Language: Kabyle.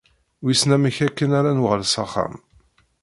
Wissen amek akken ara nuɣal s axxam.